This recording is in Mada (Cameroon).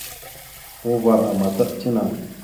Uvar àmataɗ tinaŋ.